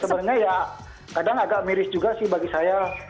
sebenarnya ya kadang agak miris juga sih bagi saya